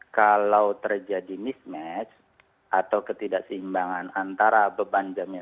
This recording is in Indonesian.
kalau terjadi mismatch atau ketidakseimbangan antara beban jamnya